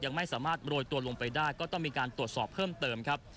ยังไม่สามารถโรยตัวลงไปได้ก็ต้องมีการตรวจสอบเพิ่มเติมครับ